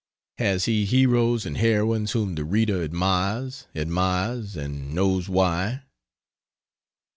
Has he heroes and heroines whom the reader admires, admires, and knows why?